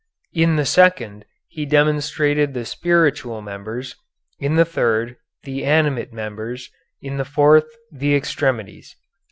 In the second, he demonstrated the spiritual members; in the third, the animate members; in the fourth, the extremities.'"